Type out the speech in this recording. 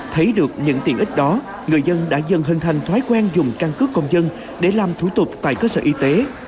thấy được những tiện ích đó người dân đã dần hình thành thói quen dùng căn cứ công dân để làm thủ tục tại cơ sở y tế